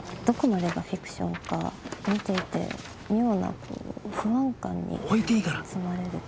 どこまでがフィクションか見ていて妙な不安感に。